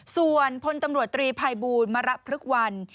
ส่วนพลตำรวจตรีภัยบูรรณ์มารับพลึกวัน